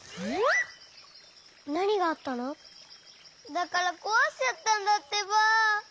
だからこわしちゃったんだってば。